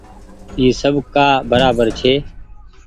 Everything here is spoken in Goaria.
اي سب ڪآ برابر ڇي۔